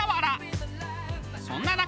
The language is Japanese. そんな中